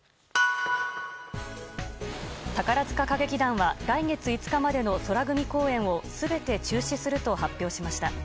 宝塚歌劇団は来月５日までの宙組公演を全て中止すると発表しました。